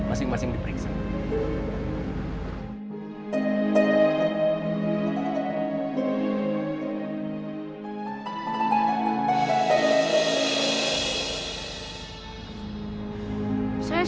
saya akan mengucapkan terima kasih